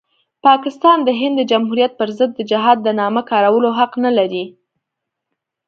پاکستان د هند د جمهوریت پرضد د جهاد د نامه کارولو حق نلري.